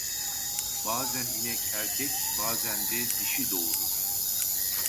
Bazen inek, erkek; bazen de dişi doğurur.